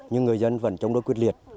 nhưng người dân vẫn trông đối quyết liệt